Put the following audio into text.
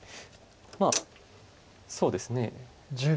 まあそうですね。